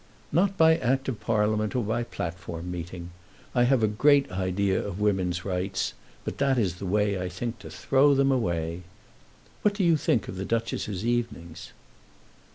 "Not by Act of Parliament, or by platform meeting. I have a great idea of a woman's rights; but that is the way, I think, to throw them away. What do you think of the Duchess's evenings?"